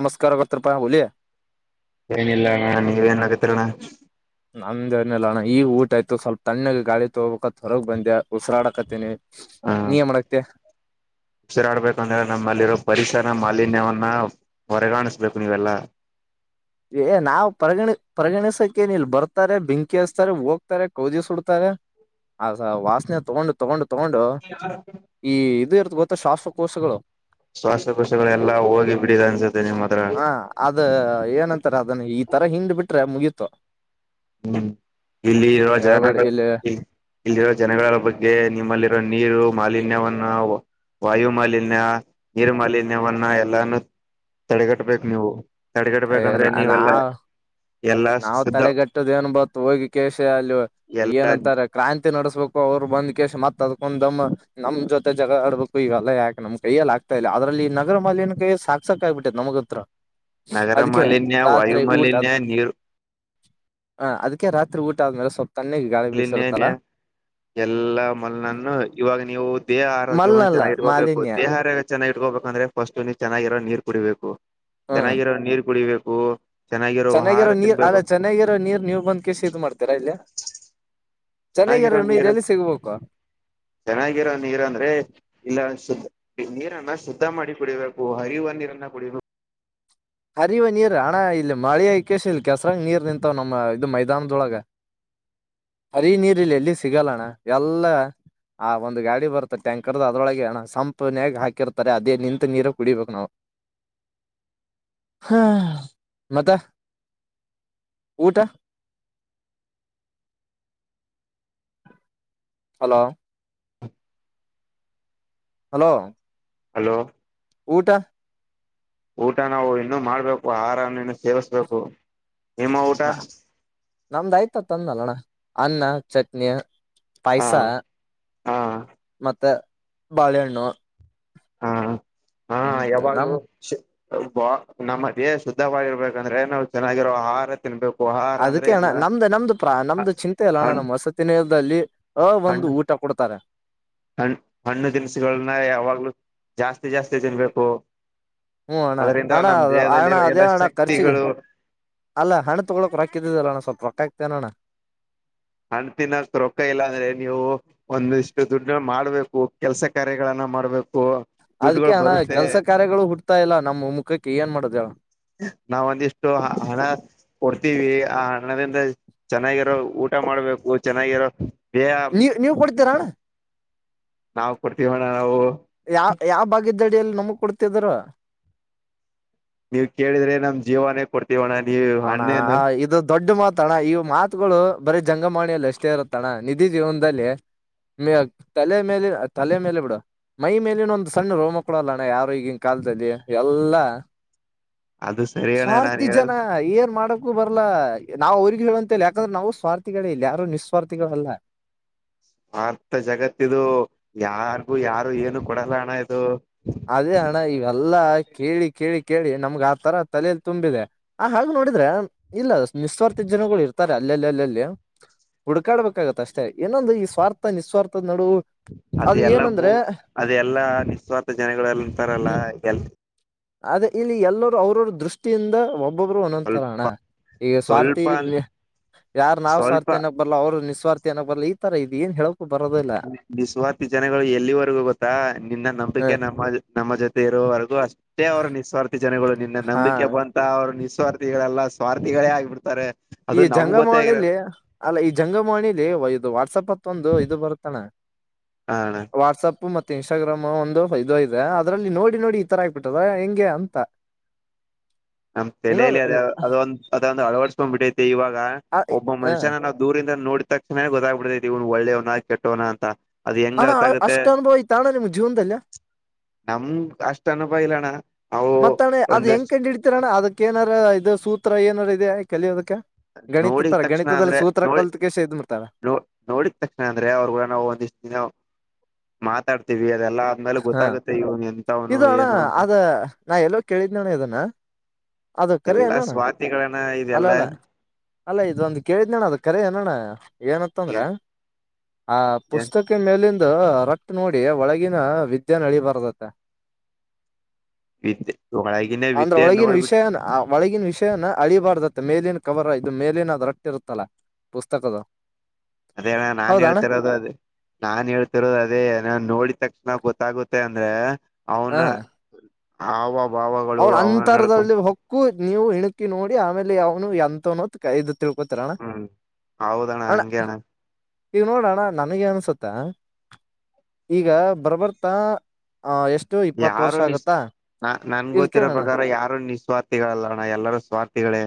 ನಮಸ್ಕಾರಗತ್ರೂಪಾಯ್ ಹೋಲಿ. ಏನಿಲ್ಲ ಅಣ್ಣ ನೀವ್ ಏನ್ ಆಗತಿರಣ್ಣ. ನಮ್ದೇದಿಲ್ಲಣ ಈಗ ಊಟ ಆಯ್ತು ಸ್ವಲ್ಪ ತಣ್ಣಗ ಗಾಳಿ ತಗೋಬೇಕತ್ ಹೊರಗ್ ಬಂದೆ. ಉಸರಾಡಾಕತ್ತೀನಿ ಹ ನೀ ಮಾಡಕತ್ತೆ? ಉಸಿರಾಡ್ಬೇಕಂದ್ರೆ ನಮ್ಮಲ್ಲಿರೋ ಪರಿಸರ ಮಾಲಿನ್ಯವನ್ನ ಪರಗಾಣಿಸ್ಬೇಕು ನೀವೆಲ್ಲಾ. ಏ ನಾವ್ ಪರಿಗಣಿ ಪರಿಗಣಿಸಕ್ಕ ಏನ್ ಇಲ್ ಬರ್ತಾರೆ ಬೆಂಕಿ ಹಸ್ತಾರೆ ಹೋಗ್ತಾರೆ ಕೌದಿ ಸುಡ್ತಾರೆ. ಆ ದ ವಾಸನೆ ತಗೊಂಡು ತಗೊಂಡು ತಗೊಂಡು ಈ ಇದು ಇರ್ತ್ ಗೊತ್ತಾ ಶ್ವಾಸಕೋಶಗಳು? ಶ್ವಾಸಕೋಶಗಳೆಲ್ಲಾ ಹೋಗಿ ಬಿಡಿದೆ ಅನ್ಸುತ್ತೆ ನಿಮ್ಮ ಹತ್ರ. ಹ ಅದ ಏನಂತಾರ ಅದನ್ನ ಈ ತರ ಹಿಂಡ್ ಬಿಟ್ರೆ ಮುಗೀತು. ಹ್ಮ್ ಇಲ್ಲಿ ಇರವ ಹೇಳ್ಬೇಡಿ ಜಾಗಗ- ಇಲ್ಲಿ ಇಲ್ಲಿರೋ ಜನಗಳ ಬಗ್ಗೆ ನಿಮ್ಮಲ್ಲಿರೋ ನೀರು ಮಾಲಿನ್ಯವನ್ನ ವಾಯು ಮಾಲಿನ್ಯ, ನೀರು ಮಾಲಿನ್ಯವನ್ನ ಎಲ್ಲಾನೂ ತಡೆಗಟ್ಬೇಕು ನೀವು. ತಡೆಗಡ್ಬೇಕಂದ್ರೆ ನಾ ನೀವೆಲ್ಲಾ ಎಲ್ಲಾ ಶುದ್ಧ ಅಂತದ್ ಏನ್ ಬತ್ ಹೋಗಿ ಕೆ ಸಿ ಅಲ್ಲಿ ಎಲ್ಲಾ ಏನಂತಾರೆ ಕ್ರಾಂತಿ ನಡ್ಸ್ಬೇಕು ಅವ್ರು ಬಂದ್ ಕೆ ಸಿ ಮತ್ ಅದ್ಕೊಂದಮ್ಮ ನಮ್ ಜೊತೆ ಜಗಳ ಆಡ್ಬೇಕು ಈಗಲ್ಲಾ ಯಾಕ್ ನಮ್ ಕೈಯಲ್ಲಿ ಆಗ್ತಾ ಇಲ್ಲ ಅದ್ರಲ್ಲಿ ನಗರ ಮಾಲಿನ್ಯ ಕೈ ಸಾಕ್ ಸಾಕ್ ಆಗ್ಬಿಟ್ಟೈತ್ ನಮಗ ಹತ್ರ. ನಗರ ಅದಕ್ಕೆ ಮಾಲಿನ್ಯ, ವಾಯು ರಾತ್ರಿ ಊಟ ಮಾಲಿನ್ಯ, ಅದು ನೀರು ಹ ಅದಕ್ಕೆ ರಾತ್ರಿ ಊಟ ಆದ್ಮೇಲೆ ಸ್ವಲ್ಪ್ ತಣ್ಣಗೆ ಗಾಳಿ ಲ್ಲಿ ಇನ್ನೇನೆ ಬೀಸಿರುತ್ತಲ್ಲಾ ಎಲ್ಲಾ ಮಲ್ನನ್ನು ಇವಾಗ ನೀವು ದೇಹ ಆರೋಗ್ಯ ಒಂದ್ ಮಲ್ಲಲ್ಲ ಚೆನ್ನಾಗಿ ಇಟ್ಕೋಬೇಕು ಮಾಲಿನ್ಯ ದೇಹ ಆರೋಗ್ಯ ಚೆನ್ನಾಗಿ ಇಟ್ಕೋಬೇಕು ಅಂತ ಅಂದ್ರೆ ಫಸ್ಟ್ ನೀನು ಚೆನ್ನಾಗಿರೋ ನೀರು ಕುಡಿಬೇಕು. ಹ್ಮ ಚೆನ್ನಾಗಿರೋ ನೀರ್ ಕುಡಿಬೇಕು ಆಹಾರ ಚೆನ್ನಾಗಿರೋ ನೀರ್ ಅಲ್ಲ ತಿನ್ಬೇಕು ಚೆನ್ನಾಗಿರೋ ನೀರ್ ನೀವು ಬಂದ್ ಕೆ ಸಿ ಇದ್ ಮಾಡ್ತೀರಾ ಇಲ್ಲಿ ಚೆನ್ನಾಗಿರೋ ಚೆನ್ನಾಗಿರ ನೀರ್ ನೀರು ಎಲ್ಲ್ ಸಿಗ್ಬೇಕು. ಚೆನ್ನಾಗಿರೋ ನೀರಂದ್ರೆ ಇಲ್ಲ ಶುದ್ ನೀರನ್ನ ಶುದ್ಧ ಮಾಡಿ ಕುಡಿಬೇಕು ಹರಿಯುವ ನೀರನ್ನ ಕುಡಿಬೇಕು. ಹರಿಯುವ ನೀರ್ ಅಣ್ಣ ಇಲ್ಲಿ ಮಳೆ ಕೇಶ್ ಇಲ್ ಕೆಸರಂಗ ನೀರ್ ನಿಂತವ್ ನಮ್ಮ ಇದು ಮೈದಾನದೊಳಗ. ಹರಿಯು ನೀರ್ ಇಲ್ಲೇಲ್ಲೂ ಸಿಗಲ್ಲಣ್ಣ ಎಲ್ಲ. ಆ ಒಂದು ಗಾಡಿ ಬರುತ್ತೆ ಟ್ಯಾಂಕರ್ದು ಅದ್ರೊಳಗೆ ಸಂಪುನ್ಯಾಗ ಹಾಕಿರ್ತಾರೆ ಅದೇ ನಿಂತ್ ನೀರ ಕುಡಿಬೇಕು ನಾವು. [inaudible] ಹಾ ಮತ್ತೆ ಊಟ. ಹಲೋ [inaudible] ಹಲೋ ಹಲೋ ಊಟ ಊಟ ನಾವು ಇನ್ನು ಮಾಡ್ಬೇಕು ಆಹಾರನ್ನ ಇನ್ನು ಸೇವಿಸ್ಬೇಕು ನಿಮ್ಮ ಊಟ. ನಮ್ದ ಆಯ್ತ ತಂದಲ್ಲಣ್ಣ ಅನ್ನ ಚಟ್ನಿ. ಹಾ ಪಾಯ್ಸ ಹಾ ಮತ್ತೆ ಬಾಳೆಹಣ್ಣು. ಹಾ ಹಾ ಹ್ಮ್ ಯಾವಾಗ್ಲು ನಮ್ ಬ ನಮ್ಮ ದೇಹ ಶುದ್ಧವಾಗಿರ್ಬೇಕಂದ್ರೆ ನಾವು ಚೆನ್ನಾಗಿರೋ ಆಹಾರ ತಿನ್ಬೇಕು. ಆಹಾರ ಅಂದ್ರೆ ಅದಕ್ಕೆ ಅಣ್ಣ ಎಲ್ಲ ನಮ್ದು ನಮ್ದು ಪ್ರಾ ನಮ್ದು ಚಿಂತೆ ಅಲ್ಲ ಅಣ್ಣ ಹಣ್ ನಮ್ಮ್ ವಸತೀ ನಿಲಯದಲ್ಲಿ ಆ ಒಂದು ಹಣ್ಣು ಊಟ ಕೊಡ್ತಾರೆ. ಹಣ್ ಹಣ್ಣು ತಿನಸುಗಳನ್ನ ಯಾವಾಗ್ಲುೂ ಜಾಸ್ತಿ ಜಾಸ್ತಿ ತಿನ್ಬೇಕು. ಹ್ಮ ಅಣ್ಣ ಅದರಿಂದ ಅಣ್ಣ ನಮ್ ಅ ಅಣ ದೇಹದಲ್ಲಿರೋ ಅದೇ ಎಲ್ಲ ಅಣ್ಣ ಖರ್ಚಿಗೆ ಶಕ್ತಿಗಳು ಅಲ್ಲ ಹಣ್ಣ ತಗೊಕಕ್ ರೊಕ್ಕಿದ ಅಲ್ಲಣ್ಣ ಸ್ವಲ್ಪ ಹೊಟ್ಟೆ ತಿನ್ನೋಣ. ಹಣ್ಣು ತಿನ್ನಕ್ ರೊಕ್ಕ ಇಲ್ಲ ಅಂದ್ರೆ ನೀವು ಒಂದಿಷ್ಟು ದುಡ್ಡು ಮಾಡ್ಬೇಕು ಕೆಲ್ಸ ಕಾರ್ಯಗಳನ್ನ ಮಾಡ್ಬೇಕು ಅದ್ಕ್ಕೆ ದುಡ್ಡುಗಳು ಅಣ ಬರುತ್ತೆ ಕೆಲ್ಸ ಕಾರ್ಯಗಳು ಹುಡ್ತಾ ಇಲ್ಲ ನಮ್ಮ್ ಮುಖಕ್ಕೆ ಏನ್ ಮಾಡುದ ಎಳು ನಾವ ಒಂದಿಷ್ಟು ಹಣ ಕೊಡ್ತೀವಿ ಆ ಹಣದಿಂದ ಚೆನ್ನಾಗಿರೋ ಊಟ ಮಾಡ್ಬೇಕು ಚೆನ್ನಾಗಿರೋ ಬೇ ನೀವು್ ಕೊಡ್ತೀರಾ. ನಾವು ಕೊಡ್ತೀವಣ್ಣ ನಾವು ಯಾವ ಯಾವ ಬಾಗಿದ್ದಡಿಯಲ್ಲಿ ನಮ್ಗ್ ಕೊಡ್ತಿದರು. ನೀವ ಕೇಳಿದ್ರೆ ನಮ್ ಜೀವನೇ ಕೊಡ್ತೀ. ಜೀವನವಾಗಲಿ ಹಣ ಇದು ದೊಡ್ಡ ಮಾತ್ ತಣ ಈವು ಮಾತುಗಳು ಬರೀ ಜಂಗಮಾಣಿಯಲ್ಲಿ ಎಷ್ಟೇ ಇರುತ್ತಣ ನಿಜ ಜೀವನದಲ್ಲಿ ಮ ತಲೆ ಮೇಲೆ ತಲೆ ಮೇಲೆ ಬಿಡ ಮೈ ಮೇಲಿನೊಂದು್ ಸಣ್ಣ ರೋಮ ಕೊಡಲ್ಲಣ್ಣ ಯಾರು ಈಗಿನ ಕಾಲದಲ್ಲಿ ಎಲ್ಲಾ ಅದು ಸರಿ ಅಣ್ಣ ನಾನ್ ಸ್ವಾರ್ಥಿ ಜನ ಹೇಳದು ಏನ್ ಮಾಡಕು ಬರ್ಲ್ಲಾ ನಾವ್ ಅವ್ರಿಗೆ ಊರಿಗೆ ಯಾಕಂದ್ರೆ ನಾವು ಸ್ವಾರ್ಥಿಗಳೇ ಇಲ್ಲಿ ಯಾರು ನಿಸ್ವಾರ್ಥಿಗಳಲ್ಲ. ಅರ್ಥ ಜಗತ್ತಿದು ಯಾರ್ಗೂ ಯಾರು ಏನು ಕೊಡಲ್ಲ ಅಣ ಇದು ಅದೇ ಅಣ್ಣ ಇವೆಲ್ಲಾ ಕೇಳಿ ಕೇಳಿ ಕೇಳಿ ನಮ್ಗ ಆತರ ತಲೆಯಲ್ಲಿ ತುಂಬಿದೆ. ಆ ಹಾಗು ನೋಡಿದ್ರೆ ಇಲ್ಲ ನಿಸ್ವಾರ್ಥ ಜನಗಳು ಇತಾರೆ ಅಲ್ಲೆಲ್ಲಿ ಅಲ್ಲೆಲ್ಲಿ ಹುಡ್ಕಾಡ್ಬೇಕಾಗತ್ತೆ ಅಷ್ಟೇ ಏನೊಂದು ಈ ಸ್ವಾರ್ಥ ನಿಸ್ವಾರ್ಥದ ನಡುವ ಅದೆ ಎಲ್ಲಾ ಮೂ ಅದೆ ಎಲ್ಲಾ ನಿಸ್ವಾರ್ಥ ಜನಗಳಲ್ಲಂತರಲ್ಲ ಹ್ಮ್ ಗೆಲ್ ಅದೇ ಇಲ್ಲಿ ಎಲ್ಲರೂ ಅವ್ರವ್ರ ದೃಷ್ಟಿಯಿಂದ ಒಬ್ಬೊಬ್ರು ಒಂದೊ್ ತರೋಣ್ಣ ಈಗ ಸ್ವಾರ್ಥಿ ಸ್ವಲ್ಪ ಸ್ವಲ್ಪ ಯಾರ್ ನಾವ್ ಸ್ವಲ್ಪ ಸ್ವಾರ್ಥಿ ಅನ್ನೋ ಬಲ್ಲ ಅವ್ರ ನಿಸ್ ರ್ಥಿನೋ ಬರ್ಲ್ಲ ಈ ತರ ಇದು ಏನ್ ಹೇಳ ಬಿಸ್ವಾರ್ಥ ಜನಗಳು ಎಲ್ಲಿವರೆಗೂ ಗೊತ್ತಾ ನಿನ್ನ ಹ ನಂಬಿಕೆ ನ ನಮ್ಮ ನಮ್ಮ ಜೊತೆ ಇರೋವರೆಗೂ ಅಷ್ಟೇ ಅವರ ನಿಸ್ವಾರ್ಥಿ ಜನಗಳು ನಿನ್ನ ಹಾ ನಂಬಿಕೆ ಬ ಅವ್ರ ನಿಸ್ವಾರ್ಥಿಗಳೆಲ್ಲ ಸ್ವಾರ್ಥಿಗಳೇ ಆಗ್ಬಿಡ್ತಾರೆ ಈ ಅದು ನಮ್ಗ್ ಗೊತ್ತೇ ಜಂಗಮಳಲಿ ಆಗಿರಲ್ಲ ಅಲ್ಲ ಈ ಜಂಗಮಣಿಲಿ ಇದು ವಾಟ್ಸಪ್ ಹತ್ತ ಒಂದು ಇದು ಬರುತ್ತಣ ಹ ವಾಟ್ಸ್ಪ್ ಮ ಮತ್ತುೆ ಇನ್ಸ್ಟಾಗ್ರಾಮ್ ಒಂದು ಇದೆ ಅದ್ರಲ್ಲಿ ನೋಡಿ ನೋಡಿ ಈ ತರ ಆಗ್ಕ್ಬಿಟ್ಟದ ಹೆಂಗೆ ಅಂತ [unintelligible] ನಮ್ ಏನೋ ತಲಲಿ ಅದ ಅದೊಂದು ಅದೊಂದು ಅಳವಡಸ್ಕೊಂಡ್ ಬಿಿಟ್ಟೈತಿ ಇವಾಗ ಒಬ್ಬ ಮನುಷ್ಯನ ದೂರಿಂದ ನೋಡ ತಕ್ಷಣನೇ ಗೊತ್ತಾಗ್ಬಿಡ್ತೈತಿ ಇವ್ನ್ ಒಳ್ಳೇವನ ಕೆಟ್ಟೋನ ಅಂತ ಅದ್ ಹೆಂಗ್ ಹಣ್ಣ ಗೊತ್ತಾಗುತ್ತೆ ಅಷ್ಟು ಅನುಭವ ಆಐತ ಅಣ ನಿಮಮ್ಮ ಜೀವನದಲ್ಲ ನಮ ಅಷ್ಟ್ ಅನುಭವ ಇಲ್ಲಣ್ಣ ನಾವು ಮತ್ತ ಅಣ್ಣ ಅದ್ ಒಂದ ಹೆಂಗ್ ಕಂಡ್ ಹಿಡ್ತಿೀರಣ್ಣ ಅದಕ್ಕ ಏನಾರ ಇದು ಸೂತ್ರ ಏನಾರ ಇದೆ ಕಲಿಯೋದಕ್ಕೆ ನೋಡಿದ ಗಣಿತತ್ರರ ತಕ್ಷಣ ಗಣಿತದಲ್ಲಿ ಅಂದ್ರೆ ಸೂತ್ರ ನೋಡಿ ಕಲ್ತಕಷ್ಟೇ ಇದ್ಬಿರ್ತಾರೆ ನೋ ನೋಡಿದ ತಕ್ಷಣ ಅಂದ್ರೆ ಅವ್ರರು ಕೂಡಾವು ಒಂದಿಷ್ಟ ದಿನ ಮಾತಾಡ್ತಿೀವಿ ಅದೆಲ್ಲಾ ಆದ್ಮೇಲೆ ಹಾ ಗೊತ್ತಾಗುತ್ತೆ ಇವನು ಎಂತವನು ಇದು ಅಣ್ಣ ಏನು ಅಂತ ಅದ ನಾ ಎಲ್ಲೋ ಕೇಳಿದ್ನಣ ಇದನ್ನ ಅದು ಕರಿ ಅನೋಣ [unintelligible] ಇದ ಎಲ್ಲಾ ಅಲ್ಲ ಇದೊಂದ ಕೇಳಿದ್ನಣ್ಣ ಅದ ಕರೆ ಏನ್ ಅಣ್ಣ ಏನತ್ತ ಅಂದ್ರ ಏನ್ ಆ ಏನ್ ಪುಸ್ತಕ ಮೇಲಂದು ರಟ್ ನೋಡಿ ಒಳಗಿನ ವಿದ್ಯ ನಳಿಬಾರದತ್ತ ವಿದ್ಯ [unintelligible] ಅಂದ್ರ ಒಳಗಿನ ವಿಷಯ ಏನು ಒಳಗಿನ ವಿಷಯನ ಅಳಿಬಾರ್ದತ್ತ ಮೇಲಿನ ಕವರ್ ಇದು ಮೇಲಿನ ಅದ ರಟ್ಟ ಇರುತ್ತಲ್ಲ ಪುಸ್ತಕದ ಅದೇ ಅಣ್ಣ ನಾನ್ ಹೌದಣ್ಣ ಹೇಳ್ತಿರೋದು ಅದೇ ನಾನ್ ಹೇಳ್ತಿರೋದು ಅದೇ ಏನ್ ನೋಡಿದ ತಕ್ಷಣ ಗೊತ್ತಾಗುತ್ತೆ ಅಂದ್ರೆ ಅವನ ಅವ ಅವ್ನ್ ಅಂತರದಲ್ಲಿ ಹೊಕ್ಕು ನೀವು ಇಣಕಿ ನೋಡಿ ಆಮೇಲೆ ಅವ್ನು ಎಂತನೋತ್ ಕೈದತ್ತ ತಿರುಪತ್ರ ಅಣ್ಣ ಹ್ಮ್ ಹೌದಣ್ಣ ಅಣ್ಣ ಹಂಗೇಣ್ಣ ಈಗ ನೋಡೋಣ ನನಗೆ ಅನ್ಸುತ್ತ. ಈಗ ಬರ ಬರ್ತಾ ಎಷ್ಟು ಇಪ್ಪತ್ತು ವರ್ಷ ಆಗತ್ತಾ. ನಾ ನನ್ ಇಲ್ ಗೊತ್ತಿರೋ ಕೇಳೋಣ ಪ್ರಕಾರ ಯಾರು ನಿಸ್ವಾರ್ಥಿಗಳಲ್ಲಣ್ಣ ಎಲ್ಲರೂ ಸ್ವಾರ್ಥಿಗಳೇ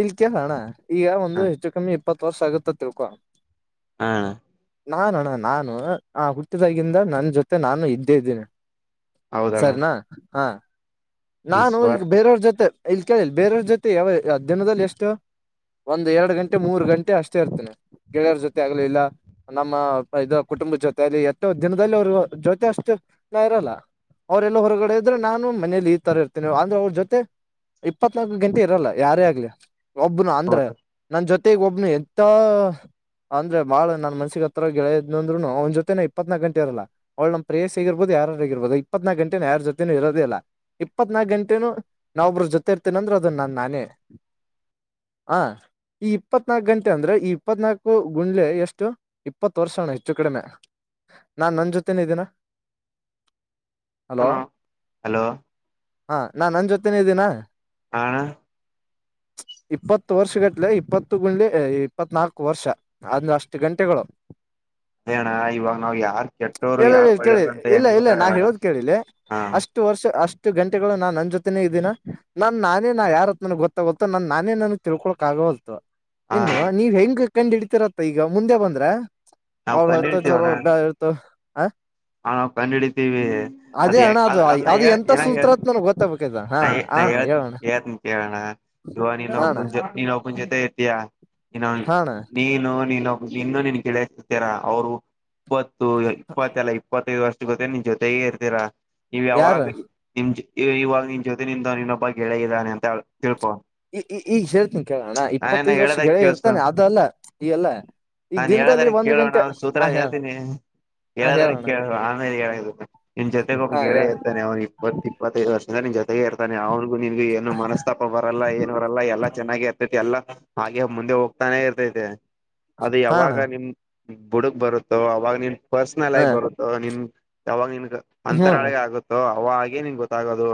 ಇಲ್ತ ಕೆಳ ಅಣ್ಣ ಈಗ ಒಂದು ಹ ಹೆಚ್ಚು ಕಮ್ಮಿ ಇಪ್ಪತ್ತು ವರ್ಷ ಆಗುತ್ತ ತಿಳ್ಕೊ ಹಾ ಅಣ್ಣ ನಾನ ಅಣ್ಣ ನಾನು ಆ ಹುಟ್ಟಿದಾಗಿಂದ ನನ್ ಜೊತೆ ನಾನು ಇದ್ದೇ ಇದ್ದೀನಿ ಹೌದಣ್ಣ ಸರಿನಾ ಹಾ ನಾನು ಈಗ ನಿಸ್ವಾರ್ಥಿ ಬೇರೆಯವ್ರ ಜೊತೆ ಇಲ್ಲಿ ಕೇಳಿಲ್ಲ ಬೇರೆಯ್ರ ಜೊತೆ ಯಾವ ದಿನದಲ್ಲಿ ಎಷ್ಟು ಒಂದ್ ಎರಡ್ ಗಂಟೆ ಮೂರು ಗಂಟೆ ಅಷ್ಟೇ ಇರ್ತನೆ ಗೆಳೆಯರ ಜೊತೆ ಆಗ್ಲ ಇಲ್ಲ ನಮ್ಮ ಇದ ಕುಟುಂಬ ಜೊತೆ ಅಲ್ಲಿ ಎಷ್ಟೋ ದಿನದಲ್ಲಿ ಅವರು ಜೊತೆ ಅಷ್ಟು ನಾ ಇರಲ್ಲ. ಅವರೆಲ್ಲ ಹೊರಗಡೆ ಇದ್ರೆ ನಾನು ಮನೇಲಿ ಈ ತರ ಇರ್ತೇನೆ ಅಂದ್ರೆ ಅವ್ರ ಜೊತೆ ಇಪ್ಪತ್ನಾಲ್ಕು ಗಂಟೆ ಇರಲ್ಲ ಯಾರೇ ಆಗ್ಲಿ ಒಬ್ನು ಅಂದ್ರೆ ನನ್ ಜೊತೆಗ ಒಬ್ನು ಎತ್ತೋ ಅಂದ್ರೆ ಬಾಳ ನನ್ ಮನ್ಸಿಗೆ ಹತ್ರ ಗೆಳೆಯ ಇದ್ರುನು ಅವ್ ಜೊತೆನೆ ಇಪತ್ನಾಕ ಗಂಟೆ ಇರಲ್ಲ. ಅವಳ್ ನಮ್ ಪ್ರೇಯಸಿ ಆಗಿರಬೋದ ಯಾರರ ಆಗಿರ್ಬೋದ ಇಪ್ಪತ್ನಾಕ ಗಂಟೆ ಯಾರ ಜೊತೆಲಿ ಇರೋದಿಲ್ಲ ಇಪ್ಪತ್ನಾಕ್ ಗಂಟೆನು ನಾವ ಒಬ್ರ ಜೊತೆ ಇರ್ತೇನ ಅಂದ್ರೆ ಅದನ್ನ ನಾ ನಾನೇ ಹ ಈ ಇಪ್ಪತ್ನಾಕ ಗಂಟೆ ಅಂದ್ರೆ ಈ ಇಪ್ಪತ್ನಾಕು ಗುಂಡ್ಲೆ ಎಷ್ಟು ಇಪ್ಪತ್ತು ವರ್ಷ ಅಣ್ಣ ಹೆಚ್ಚು ಕಡಿಮೆ ನಾನ್ ನನ್ ಜೊತೆನೆ ಇದೀನ ಹಲೋ ಹಲೋ ಹ ಹಾಂ ನಾ ನನ್ನ ಜೊತೆನ ಇದ್ದೀನಾ ಹಾ ಅಣ್ಣ ಇಪ್ಪತ್ತು ವರ್ಷ ಗಟ್ಲೆ ಇಪ್ಪತ್ತು ಗುಂಡ್ಲಿ ಇಪ್ಪತ್ನಾಲ್ಕು ವರ್ಷ ಅದ್ರ ಅಷ್ಟು ಗಂಟೆಗಳು ಏನಣ್ಣ ಇವಾಗ ನಾವ್ ಯಾರ್ ಕೆಟ್ಟೋರು ಇಲ್ಲ ಇಲ್ಲ ಯಾರ ಇಲ್ಲ, ಕೇಳಿ ಒಳ್ಳೇರು ಅಂತ ಹೆಂಗುದ ಹೇಳದ ಹಾ ಷ್ಟ ವರ್ಷ ಅಷ್ಟು ಗಂಟೆಗಳು ನಾನ್ ನನ್ನ ಜೊತೆನೆ ಇದ್ದೀನ ನಾನು ನಾನೇ ನಾ ಯಾರತ್ ನನ ಗೊತ್ತಾಗುತ್ತೋ ನ ನಾನೇ ನನಗ್ ತಿಳ್ಕೊಳಕ್ಗವಲ್ತ ಹಾ ಇನ್ನು ನೀವ್ ಹೆಂಗ ಕಂಡ್ ಹಿಡಿತಿರತ್ತ ಈಗ ಮುಂದೆ ಬಂದ್ರ ನಾವ್ ಅವ್ರ ಕಂಡ್ ಅಂತ ಚಲೋ ಹಿಡಿತೀವಣ್ಣ ಜ ಹ ಹ ನಾವು ಕಂಡು ಹಿಡಿತೀವಿ ಅದ ಅದನ್ನ ಹೇ ನಗ್ ಗೊತ್ತಾಗಬೇಕಲ ನ ನಾ ಹೇಳ್ತ ಹಳ್ತ್ ಕೆಳ ಅಣ್ಣ ಇ ನೀನ್ ಹಾಣ ಒಬ್ಬು ಜೊ ನೀನ್ ಒಬ್ಬನ ಜೊತೆ ಇರ್ತೀಯಾ ನೀನ್ನ ಒಂ ಹಾಣ ನೀನು ನೀನು ಇನ್ನು ನೀನ್ ಗೆಳಯರಾ ಅವರು ಇಪ್ಪತ್ತು ಇಪ್ಪತ್ತಲ್ಲ ಇಪ್ಪತ್ತೈದು ವರ್ಷ ಗೊತ್ತ ನಿನ್ ಜೊತೆಗೇ ಇರ್ತೀರಾ ನೀವ್ ಯಾವಾಗ ಯಾರು ನಿಮ ಇವಾಗ ನಿ ಜೊತೆನಿಂದ ನೀನ್ನೊಬ್ಬ ಗೆಳೆಯ ಇದ್ದಾನೆ ಅಂತ ತಿಳ್ಪ ಈ ಈ ಈಗ ಹೇಳ್ತೀನಿ ಕೇಳೋಣ ಇಪ್ಪತ್ತೈದ್ ವರ್ಷ ಹೇಳದ ಗೆಳೆಯ ಕೇಳಸ್ಕೊ ಇರ್ತಾನೆ ಅದ ಅಲ್ಲ ಈ ಎಲ್ಲ ಈಗ ನಾನ್ ದಿನದಲ್ಲಿ ಹೇಳದರ ಒಂದ್ ಕೇಳ ಅಣ್ಣ ಗಂಟೆ ನಾ ಸೂತ್ರ ಹ ಹೇಳ ಹೇಳ್ತೀನಿ ಹ ಹೇಳದ್ರ ಹೇಳೋಣ ಕೇಳುವ ಆಮೇಲೆ ಹೇಳ ನಿನ್ ಜೊತೆಗೆ ಒಬ್ಬ ಹ ಹೇಳ ಗೆಳೆಯ ಇರತಾನೆ ಅವ್ ಇಪ್ಪ ಇಪ್ಪತ್ತೈದು ವರ್ಷದ ನಿಮ ಜೊತೆಗೆ ಇರ್ತಾನೇ ತಾನೆ ಅವನಿಗೂ ನಿನಗ ಏನು ಮನಸ್ತಾಪರಲ್ಲ ಏನ್ ಬರಲ್ಲ ಎಲ್ಲ ಚೆನ್ನಾಗಿತ್ತ ತಿ ಎಲ್ಲ ಹಾಗೆ ಮುಂದೆ ಹೋಗ್ತಾನೆ ಇರ್ತೈತೆ ಅದು ಹಾ ಅಣ್ಣ ಯಾವಾಗ ನಿಮ್ ಬುಡುಗ್ ಬರುತ್ತೋ ಅವಾಗ ನಿನ್ ಪರ್ಸನಲ್ ಹ ಐಫ್ ಬರುತ್ತೋ ನಿನ್ ಯಾವಾಗ ನಿನ್ಗ ಹ್ಮ ಅಣ್ಣ ಅಂತರಾಳಗೆ ಆಗುತ್ತೋ ಅವ ಹಾಗೆ ನಿನ್ ಗೊತ್ತಾಗೋದು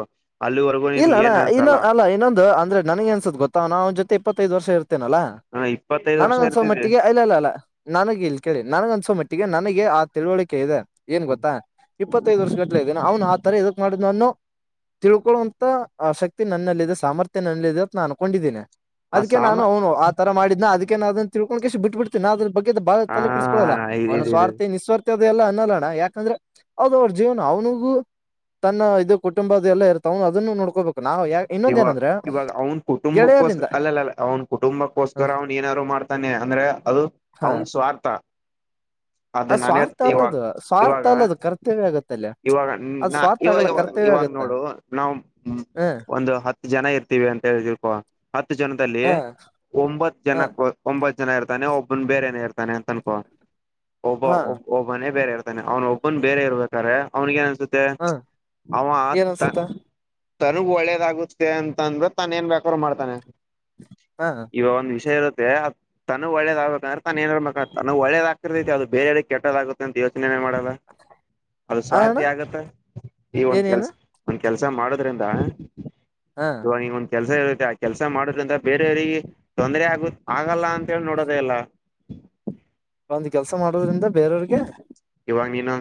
ಅಲ್ಲಿವರೆಗೂ ಇಲ್ಲ ನಿನ್ಗೆ ಅಣ್ಣ ಏನ್ ಇನ್ನೊ ಅನ್ಸಲ್ಲ ಅಲ್ಲ ಇನ್ನೊಂದು ಅಂದ್ರೆ ನನಗೆ ಅನ್ಸತ್ ಗೊತ್ತ್ ನ ಅವ್ ಜೊತೆ ಇಪ್ಪತ್ತೈದ್ ವರ್ಷ ಇರ್ತೇನಲ್ಲಾ ಹ ಇಪ್ಪತ್ತೈದು ವರ್ಷ ನಾನಂದಂದಸವ ಇರ್ತಿದೆ ಮಟ್ಟಿಗೆ ಐಲ್ಲ ಅಲ್ಲ ಅಲ್ಲ ನನಗ ಇಲ್ ಕೇಳಿ ನನ್ಗ ಅನ್ಸೋ ಮಟ್ಟಿಗೆ ನನಗೆ ಆ ತಿಳುವಳಿಕೆ ಇದೆ ಏನ್ ಗೊತ್ತಾ ಇಪ್ಪತ್ತೈದು ವರ್ಷ ಗಟ್ಲೆ ಇದ್ದಾನ ಅವನು ಆ ತರ ಇದಕ್ ಮಾಡಿದ್ ನಾನು ತಿಳ್ಕೊಂತ ಶಕ್ತಿ ನನ್ನಲ್ಲಿದೆದೆ ಸಾಮರ್ಥ್ಯ ನನ್ನಲ್ಲಿ ಇಿದೆ ಅಂತ ನ ಅನ್ಕೊಂಡಿದ್ದೀನನೆ ಆ ಅದಕ್ಕೆ ಸಾಮ ನಾನು ಅವನು ತರ ಮಾಡಿದನ ಅದಕ್ಕೆೇ ನ ಅದನ್ನ ತಿಳ್ಕಿ ಬಿಟ್ಬ ಬಿಡ್ತೀಿ ಅದ್ರ ಬಗ್ಗೆ ಬಾಳ ತಲೆ ಕೆಡಿಸಕೊಳ್ಳಲ್ಲ ಹ ಅವನ ಇ ಸ್ರ್ಥಿಸ್ರ್ಥ ಎಲ್ಲ ಅನ್ನೋಲಣ ಯಾಕಂದ್ರೆ ಅದ ಅವ್ರ ಜೀವನ ಅವ್ನಿಗೂ ತನ್ನ ಇದು ಕುಟುಂಬದ ಎಲ್ಲ ಇರ್ತವ ಅದನ್ನು ನೋಡ್ಕೋಬೇಕು ನಾವ ಯ ಇವಾಗ ಇನ್ನೊಂದಏನಂದ್ರೆ ಇವಾಗ ಅವ್ನ್ ಕುಟುಂಬಕ್ಕೋಸ್ಕರ ಅಲ್ಲ ಅ ಅ ಅವ್ನ ಕುಟುಂಬಕ್ಕೋಸ್ಕರ ಅವ್ನು ಏನಾದಾರು ಮಾಡ್ತಾನೆ ಅಂದ್ರೆ ಅದು ಅವನ್ ಸ್ವಾರ್ಥ ಅದು ಅ ನಾನೇ ಸ್ವಾರ್ಥ ಇವಾಗ ಅಲ್ಲದು ಸ್ವಾರ್ಥ ಇವಾಗ ಅಲ್ಲದು ಕರ್ತವ್ಯ ಆಗುತ್ತೆ ಇವಾಗ ನಾ ಇವಾಗಾಗ ಇವಾಗ ಆಗತ್ತ ನೋಡು ನಾವ್ ಹ್ಮ ಹ ಒಂದು ಹತ್ತು ಜನ ಇರ್ತೀವಿ ಅಂತ ಹೋ ಹತ್ತು ಜನದಲ್ಲಿ ಹ ಒಂಬತ್ತು ಹ ಜನ ಒಂಬತ್ ಜನ ಇರ್ತಾನೆ ಒಬ್ಬನ್ ಬೇರೆನ ಇರ್ತಾನೆ ಅಂತ ಅನ್ಕೋ ಒಬ್ಬ ಹಾ ಒಬ್ಬ ಒಬ್ಬ ಒಬ್ನೇ ಬೇರೆ ಇರ್ತಾನೆ ಅವನ ಒಬ್ಬನು ಬೇ ಇಬೇಕಾರೆ ಅವ್ನಿಗೆ ಏನತ್ತೆ ಹ ತ್ತ ಅವ ಏನ್ ಅನ್ಸುತ್ತ ತನಗ್ ಒಳ್ಳೇದಾಗುತ್ತೆ ಅಂತ ಅಂದ್ರೆ ತಾನ ಏನ್ ಬೇಕಾದ್ರರು ಮಾಡ್ತಾನೆ ಹಾ ಇವ ಒಂದ ವಿಷಯ ಇರುತ್ತೆ ತನ ಒಳ್ಳೇದಾಗ ಮ ತಾನ ಏನಿಬೇಕ ತನಗ್ ಒಳ್ಳೇದ ಅದು ಬೇರೆಡೆ ಕೆದಾಗುತ್ತಂತ ಯೋಚನೆ ಮಾಡೋಲ್ಲ ಅದು ಆ ಅಣ್ಣ ಸ್ವಾರ್ಥಿ ಆಗತ್ತ ಈ ಒಂದ ಏನೇನು ಕೆಲ್ಸ ಒಂದ ಕೆಲ್ಸ ಮಾಡೋದ್ರಿಂದ ಹಾ ಇವಗ ಒಂದ್ ಕೆಲಸ ಇರುತ್ತೆ ಆ ಕೆಲಸ ಮಾಡೋದ್ರಿಂದ ಬೇರೆಯವರಿಗೆ ತೊಂದ್ರರೆ ಆಗ ಆಗಲ್ಲ ಅಂತ ಹೇಳಿ ನೋಡೋದೇ ಎಲ್ಲ ಒಂದ್ ಕೆಲ್ಸ ಮಾಡೋದ್ರಿಂದ ಬೇರೆಯವ್ರಿಗೆ ಇವಾಗ ನೀನು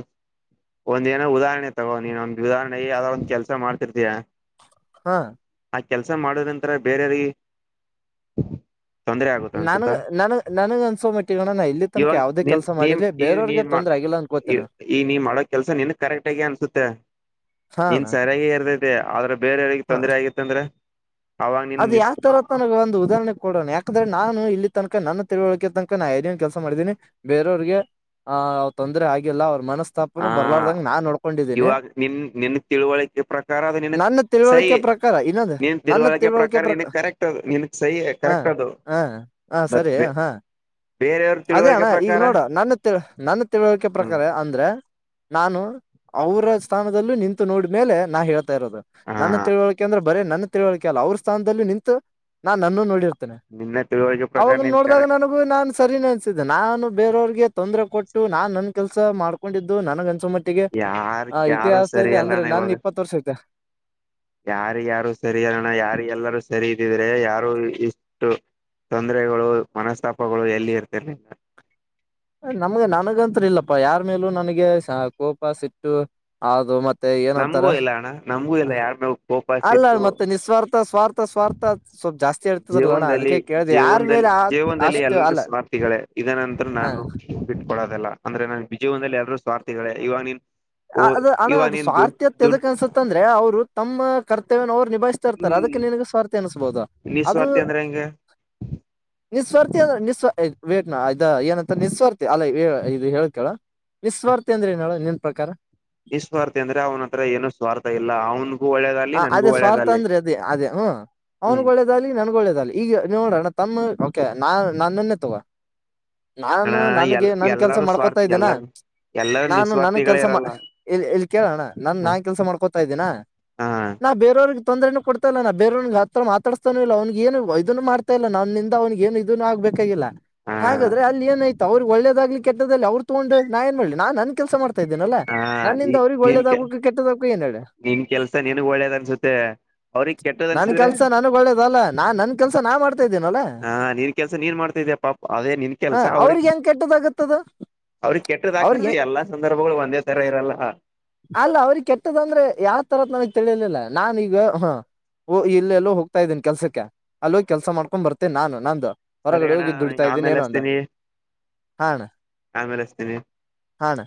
ಒಂದ್ ನೋ ಉದಾಹರಣೆ ತಗೋ ನೀನ್ ಓದ್ ಉದಾಹರಣೆಗೆ ಯದ ಒಂದ ಕೆಲಸ ಮಾಡ್ತಿರ್ತಯ ಹಾ ಆ ಕೆಲ್ಸ ಮಾಡದ್ ನಂರ ಬೇರ ಯಾರಿಗೆ ನನ್ ನನ ನನಗ್ ಅನ್ಸೋ ಮಿಟ್ಟಿಗಣ ಇಲ್ಲಿ ತನಕ ಇವಾಗ ಯಾವ್ದೇ ನೀನ್ ಕೆಲಸ ನೀನ್ ಮಾಡಿರ್ಲಿ ಈ ಬೇರೆಯವ್ರಿಗೆ ನೀನ್ ತ ಆಗಲ್ಲ ಅನ್ಕೋತೇನೆ ಈ ನೀ್ ಮಾಡೋ ಕೆಲ್ಸ ನಿನ್ ಕರೆಕ್ಟ್ ಆಗಿ ಅನ್ಸುತ್ತೆ ಹಾ ಇನ್ ಅಣ್ಣ ಸರಿಯಾಗಿ ಇರ್ದೈತೆ ಆದ್ರೆ ಬೇರೆಯವಿಗೆ ಹ ತೊಂದ್ರ ಆಗಿತ್ತ ಅಂದ್ರೆ ಅದು ಯಾವ್ ತರ ತನಗೆ ಒಂದು ಉದಾಹರಣೆ ಕೊಡೋಣ ಯಾಕೆ ಅಂದ್ರೆ ನಾನು ಇಲ್ಲಿ ತನಕ ನನ್ನ ತಿಳುವಳಿಕೆ ತನಕ ನಾ ಏನೇನ್ ಕೆಲಸ ಮಾಡಿದೀನಿ ಬೇರೆಯವ್ರಿಗೆ ಹ ಅವ್ ತೊಂದರೆ ಆಗಲ್ಲ ಅವ್ರ ಮನಸ್ಸ ಆ ಪ ಬರ್ಲಾರ್ದಂಗ ನಾ ನೋಡ್ಕೊಂಡಿದ್ದೀನಿ ಇವಾಗ ನಿನ್ ನಿನ್ ತಿಳುವಳಿಕೆ ಪ್ರಕಾರ ಅದು ನಿನಗ್ ನನ್ನ ಸೈ ತಿಳುವಳಿಕೆ ಪ್ರಕಾರ ಇನ್ನೊಂದ ನಿನ್ ನನ್ನ ತಿಳುವಳಿಕೆ ಪ್ರಕಾರ ಪ್ರ ನಿನಗ್ ಕರೆಕ್ಟ್ ಅದು ನಿನಗ್ ಸೈ ಹ ಕರೆಕ್ಟ್ ಅದು ಹ ಹ ಬಟ್ ಸರಿ ಬೆ ಹಾ ಬೇರೆಯವ್ರ ಅದೇ ತಿಳುವಳಿಕೆ ಅಣ್ಣ ಈಗ ಪ್ರಕಾರ ನೋಡ ನನ್ನ ತಿ ನನ್ನ ತಿಳುವಳಿಕೆ ಹ್ಮ್ ಪ್ರಕಾರ ಅಂದ್ರೆ ನಾನು ಅವರ ಸ್ಥಾನದಲ್ಲೂ ನಿಂತು ನೋಡ್ಮೇಲೆ ನಾ ಹೇಳ ಇದು ನನ್ನ ಹ ತಿಳುವಳಿಕೆ ಅಂದ್ರೆ ಬರೇ ನನ್ನ ತಿಳುವಳಿಕೆ ಅಲ್ಲ ಅವ್ರ ಸ್ಥಾನದಲ್ಲಿ ನಿಂತು ನಾನ್ ನನ್ನನ್ನು ನೋಡಿರ್ತ ನಿನ್ನ ತಿಳುವಳಿಕೆ ಪ್ರಕಾರ ಅವಾಗ ನೀನ್ ನೋಡಿದಾಗ ಕರೆ ನಾನು ನಾನ್ ಸರಿನ ಅನ್ಸಿದ್ದೆ ನಾನು ಬೇರವ್ರಿಗೆ ತೊಂದರೆ ಕೊಟ್ಟು ನಾನ್ ನನ್ ಕೆಲಸ ಮಾಡ್ಕೊಂಡಿದ್ದು ನನಗ ಅನ್ಸ ಮಟ್ಟೆ ಟ್ಟಿಗೆ ಯಾರ ಆ ಯಾರು ಸರಿ ಇತಿಹಾಸದಲ್ಲಿ ಅಂದ್ರೆ ಅಲ್ಲಣ ನಾನ ಇವಾಗ ಇಪ್ಪತ್ತು ವರ್ಷ ಐತೆ ಯಾರ ಯಾರು ಸರಿ ಅಲ್ಲಣ್ಣ ಯಾರಿಿಗೆ ಎಲ್ಲಾರೂ ಸರಿ ಇದ್ದಿದ್ರೆ ಯಾರು ತೊಂದರೆಗಳು ಮನಸ್ತಾಪಗಳು ಎಲ್ಲಿ ಇರ್ತರ್ ನಿ ನಮ್ಗೆ ನನಗಂತರಿ ಇಲ್ಲಪ್ಪ ಯಾರ ಮೇಲೂ ನನಗೆ ಕೋಪ ಸಿಟ್ಟು ಹೌದು ಮತ್ತೆ ನಮಗೂ ಏನ್ಂತಾರೆ ಇಲ್ಲ ಅಣ್ಣ ನಮಗೂ ಇಲ್ಲ ಯಾರ ಮೇಲ್ ಕೋಪಾಸ ಅಲ್ಲ ಇತ್ತು ಮತ್ತೆ ನಿಸ್ವಾರ್ಥ ಸ್ವಾರ್ಥ ಸ್ವಾರ್ಥ ಸ್ವಲ್ಪ ಜಾಸ್ತಿ ಆರ್ತದಲ್ಲಣ ಜೀವನದಲ್ಲಿ ಅದಕ್ಕೆ ಕೇಳ್ದ ಯಾರ ಮೇಲೆ ಅಷ್ಟ ಅಲ್ಲ ಗಳೇ ಇದ ನಂತರ ಹ. ನಾನು ಇಟ್ಟಟ್ಕೊಡೋದಲ್ಲ ಅಂದ್ರೆ ನನ್ ಬಿಜಯವಂದದಲ್ಲಿ ಯಾರೂ ಸ್ವಾರ್ಥಿಗಳೇ ಇವಾಗ ನೀನ್ ಓ ಅದ ಅಣ್ಣ ಇವಾಗ ಅದು ನೀನ್ ದುಡ್ ಸ್ವಾರ್ಥ ದುಡ್ ತದಕ್ ಅನ್ಸತ್ತ ಅಂದ್ರೆ ಅವರು ತಮ್ಮ ಕರ್ತವ್ಯನ ಅವ್ರು ನಿಭಾಯ್ ತರ್ತಾರೆ ಹ್ಮ್ ಅದಕ್ಕೆ ನಿನಗೆ ಸ್ವಾರ್ಥಿ ಅನಿಸಬಹದು ಅದು ನಿಸ್ವಾರ್ಥಿ ಅಂದ್ರೆ ಹೆಂಗೆ ನಿಿಸ್ವಾರ್ಥಿಿಸ್ವ ವೇಟ್ ಇದ ಏನಂತ ನಿಸ್ವಾರ್ಥಿ ಅಲ್ಲ ಇದು ಹೇಳ್ಕಳ ವಿಸ್ವಾರ್ಥ ಅಂದ್ರೆ ನೋಳ ನಿನ್ ಪ್ರಕಾರ ನಿಿಸ್ವಾರ್ಥಿ ಅಂದ್ರೆ ಅವನ ಹತ್ರ ಏನು ಸ್ವಾರ್ಥ ಇಲ್ಲ ಅವನು ಹ ಅದೇ ಸ್ವಾರ್ಥ ಅಂದ್ರೆ ಅದೇ ಅದೇ ಹ್ಮ ಹ್ಮ್ ಅವನ್ ನನ್ಗ ಒಳ್ಳದಲಿ ಈಗ ನೋಡೋಣ್ಣ ತಮ್ಮ ಕೆಾ ನಾನ್ ನ್ನೆ ತಗ ಅಣ ನಾನು ನನ್ಗೆ ಎಲ್ ನನ್ ಕೆಲ್ಸ ಎಲ್ಲಾರೂ ಮಾಡ್ಕೊತಾ ಸ್ವಾರ್ಥಿ ಇದ್ದೇನಾ ಎಲ್ಲಾರ ಎಲ್ಲಾರೂ ನಾನು ನನ್ ನಿಸ್ವಾರ್ಥಿಗಳೇ ಕೆಲ್ಸ ಇರಲ್ಲ ಇ ಇಲ್ಲಿ ಕೇಳೋಣ ನನ್ ಹ ನಾನ್ ಕೆಲ್ಸ ಮಾಡ್ಕೊತಾ ಇದ್ದೀನ ಹಾ ನಾ ಬೇರವ್ರಿಗೆ ತೊಂದರೆನ ಕೊಡ್ತಾಲ್ಲ ನಾ ಬೇರವ್ರಿಗೆ ಹತ್ರ ಮಾತಾಡ್ಸ್ತಾನು ಇಲ್ಲ ಅವನಗ ಏ ಇದನು ಮಾಡತ ಇಲ್ಲ ನನ್ನಿಂದ ಅವನಿಗೆ ಏನ್ ಇದೂ ಆಗ್ಬೇಕಾಗಿಲ್ಲ ಹಾ ಹಾಗಾದ್ರೆ ಅಲ್ಲಿ ಏನಾಯ್ತು ಅವ್ರಿಗೆ ಒಳ್ಳೇದಾಗ್ಲಿ ಕೆಟ್ಟದ್ದದಲ್ಲಿ ಅವ್ರು ತಗೊಂಡ ನಾ ಏನ್ ಮಾಡಿ ನಾ ನನ್ ಕೆಲಸ ಮಾಡ್ತನೆ ಇದೀನಲ್ಲಾ ಹಾ ನನ್ನಿಂದ ಅವ್ರಿಗೆ ಒಳ್ಳೇದಾಗ್ಬೇಕು ಕೆಟ್ಟದಾಗ್ ಏ ಹೇಳ ನಿಮ ಕೆಲ್ಸ ನನ್ಗ್ ಒಳ್ಳೇದ್ ಅನ್ಸುತ್ತೆ ಅವ್ರಗ್ ಕೆಟ್ಟದ್ ನನ್ ಅನ್ಸಿದ್ರೆ ಕೆಲ್ಸ ನಾನು ಒಳ್ಳೇದ ಅಲ್ಲಾ ನಾ ನನ್ ಕೆಲ್ಸ ನಾನ್ ಮಾಡ್ತಾ ಇದ್ದೀನಲ್ಲಾ ಹಾ ನೀನ್ ಕೆಲ್ಸ ನೀನ್ ಮಾಡ್ತಿದ್ದ ಪಾ ಅದೇ ನಿನ್ ಹ ಕೆಲ್ಸ ಅವ್ರಿಗೆ ಹೆಂ ಕೆಟ್ಟದಾಗುತ್ತೆ ಅವ್ರಿಗೆ ಕೆಟ್ಟದ್ದ ಹಾಕಾರ ಎಲ್ಲಾ ಸಂದರ್ಭಗಳು ಒಂದೇ ತರ ಇರಲ್ಲ ಅಲ್ಲ ಅವ್ರ ಕೆಟ್ಟದಂದ್ರೆ ಯಾವ ತರದ ನನಗ್ ತಿಳಿಯಲಿಲ್ಲ ನಾನೀಗ ಹ ಓ ಇಲ್ಲೆಲ್ಲೋ ಹೋಗ್ತಾ ಇದ್ದೀನಿ ಕೆಲ್ಸಕ್ಕೆ ಅಲ್ಲೋಗ ಕೆಲ್ಸ ಮಾಡ್ಕೊಂಡ್ ಬರ್ತೇನೆ ನಾನು ನಂದುು ಸರಿ ಹೊರಗಡೆ ಅಣ್ಣ ಹೋಗಿದ್ದ ದುಡಿತಾ ಇದ್ದೀನಿ ಆಮೇಲೆ ಏನು ಅಂತ ಹಸ್ತೀನಿ ಹಣ ಆಮೇಲೆ ಹಸ್ತೀನಿ ಹಣ